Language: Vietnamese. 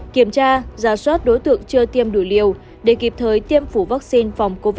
kiểm tra giả soát đối tượng chưa tiêm đủ liều để kịp thời tiêm chủng vaccine phòng covid một mươi chín